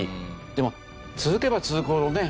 でも続けば続くほどね